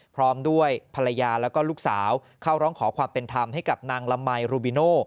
พร้อมด้วยภรรยาแล้วก็ลูกสาวเข้าร้องขอความเป็นธรรมให้กับนางละมัยรูบิโน